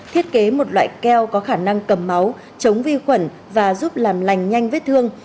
thiết kế một loại keo có khả năng cầm máu chống vi khuẩn và giúp làm lành nhanh vết thương